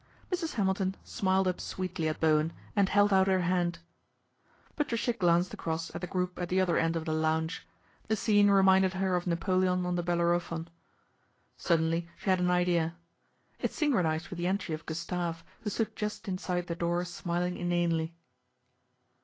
Mrs. Hamilton smiled up sweetly at Bowen, and neld out her hand. Patricia glanced across at the group at the other end of the lounge. The scene reminded her of Napoleon on the Bellerophon. Suddenly she had an idea. It synchronised PATRICIA'S REVENGE 71 with the entry of Gustave, who stood just inside the door smiling inanely.